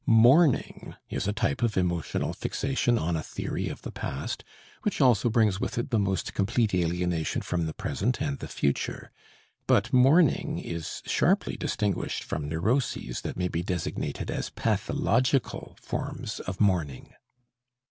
Mourning is a type of emotional fixation on a theory of the past, which also brings with it the most complete alienation from the present and the future. But mourning is sharply distinguished from neuroses that may be designated as pathological forms of mourning.